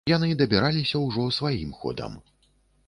Яны дабіраліся ўжо сваім ходам.